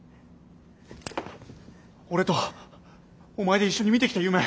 俺とお前で一緒にみてきた夢。